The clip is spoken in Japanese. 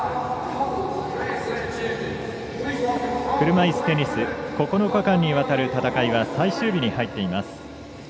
車いすテニス９日間にわたる戦いは最終日に入っています。